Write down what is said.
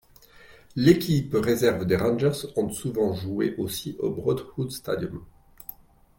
L'équipe réserve des Rangers ont souvent joué aussi au Broadwood Stadium.